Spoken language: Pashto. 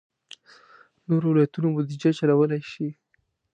نور ولایتونه بودجه چلولای شي.